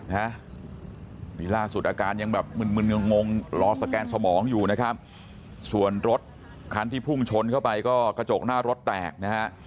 นี่ล่าสุดอาการยังแบบมึนมึนงงงรอสแกนสมองอยู่นะครับส่วนรถคันที่พุ่งชนเข้าไปก็กระจกหน้ารถแตกนะฮะ